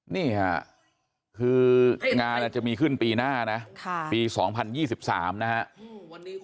นี่ค่ะคืองานอาจจะมีขึ้นปีหน้านะปี๒๐๒๓นะครับ